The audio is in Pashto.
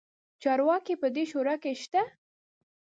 چارواکي په دې شورا کې شته.